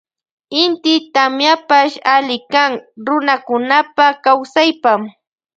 Inti tamiapash allikan runakunapa kawsaypa.